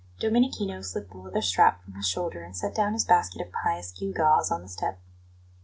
Domenichino slipped the leather strap from his shoulder, and set down his basket of pious gewgaws on the step.